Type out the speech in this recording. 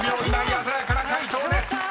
鮮やかな解答です］